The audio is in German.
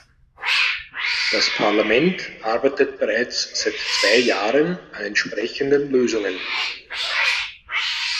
Das Parlament arbeitet bereits seit zwei Jahren an entsprechenden Lösungen.